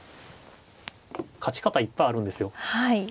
勝ち方いっぱいあるんですよ。